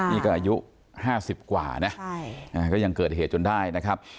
นี่ก็อายุ๕๐กว่านะก็ยังเกิดเหตุจนได้นะครับ